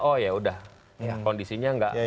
oh ya udah kondisinya gak